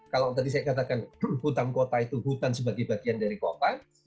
kalau tadi saya katakan hutan kota itu hutan sebagai bagian dari kota